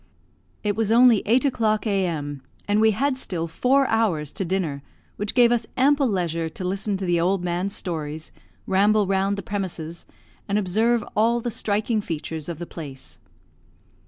It was only eight o'clock a.m., and we had still four hours to dinner, which gave us ample leisure to listen to the old man's stories, ramble round the premises, and observe all the striking features of the place.